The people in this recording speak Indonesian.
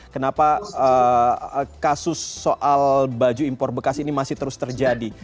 kenapa kasus soal baju impor bekas ini masih terus terjadi